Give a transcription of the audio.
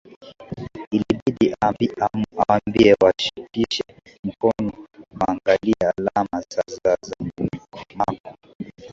ilibidi awambie washikeshike mikono waangalie alama za za za mako